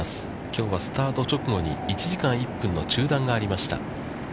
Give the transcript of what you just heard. きょうはスタート直後に１時間１分の中断がありました。